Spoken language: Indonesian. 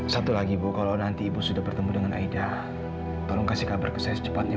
satu lagi bu kalau nanti ibu sudah bertemu dengan aida tolong kasih kabar ke saya secepatnya